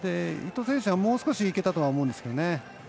伊藤選手がもう少しいけたと思うんですけどね。